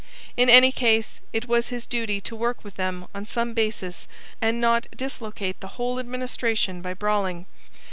In any case, it was his duty to work with them on some basis and not dislocate the whole administration by brawling.